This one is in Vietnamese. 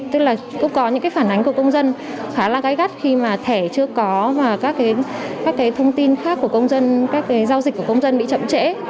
tức là cũng có những cái phản ánh của công dân khá là gai gắt khi mà thẻ chưa có và các cái thông tin khác của công dân các giao dịch của công dân bị chậm trễ